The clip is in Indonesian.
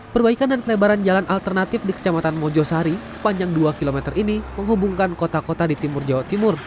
perbaikan dan pelebaran jalan alternatif di kecamatan mojosari sepanjang dua km ini menghubungkan kota kota di timur jawa timur